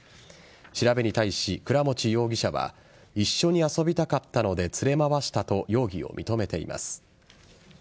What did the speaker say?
調べに対し、倉持容疑者は一緒に遊びたかったので連れ回したと容疑を認めています。